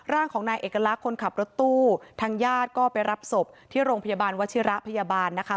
ร่างของนายเอกลักษณ์คนขับรถตู้ทางญาติก็ไปรับศพที่โรงพยาบาลวชิระพยาบาลนะคะ